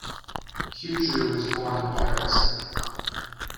Queudrue was born in Paris.